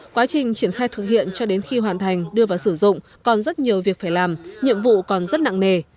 quá trình triển khai thực hiện cho đến khi hoàn thành đưa vào sử dụng còn rất nhiều việc phải làm nhiệm vụ còn rất nặng nề